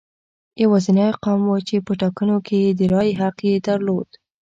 یوازینی قوم و چې په ټاکنو کې د رایې حق یې درلود.